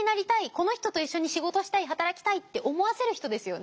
この人と一緒に仕事したい。働きたい」って思わせる人ですよね。